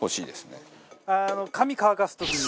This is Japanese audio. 髪乾かす時に。